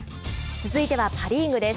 続いては、パ・リーグです。